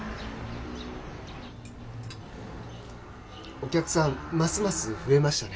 お客さんますます増えましたね